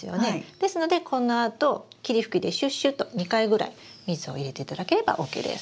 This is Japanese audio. ですのでこのあと霧吹きでシュッシュと２回ぐらい水を入れていただければＯＫです。